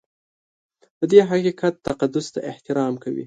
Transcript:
د دې حقیقت تقدس ته احترام کوي.